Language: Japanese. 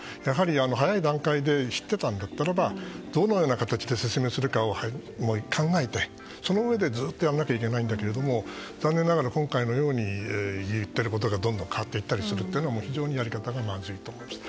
早い段階で知っていたならどのような形で説明するかを考えてそのうえで、ずっとやらなきゃいけないんだけれども残念ながら今回のように言っていることがどんどん変わっていったりするのはやり方がまずいと思いました。